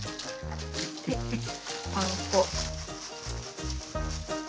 パン粉。